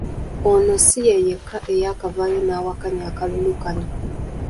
Ono ssi ye yekka eyakavaayo n'awakanya akalulu kano.